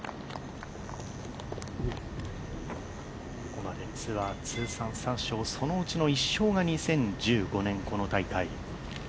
ここまでツアー通算３勝、そのうちの１勝が２０１５年、この大会。